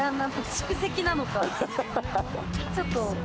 蓄積なのか。